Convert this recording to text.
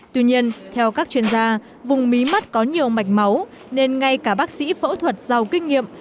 tuy nhiên theo các chuyên gia vùng mí mắt có nhiều mạch máu nên ngay cả bác sĩ phẫu thuật giàu kinh nghiệm